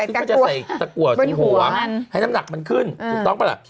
ซึ่งก็จะใส่ตะกัวสีหัวให้น้ำหนักมันขึ้นถูกต้องปะล่ะ